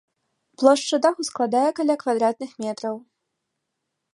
Плошчу даху складае каля квадратных метраў.